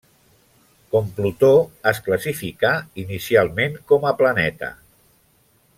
Com Plutó es classificà inicialment com a planeta.